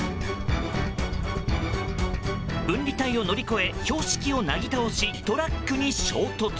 分離帯を乗り越え標識をなぎ倒しトラックに衝突。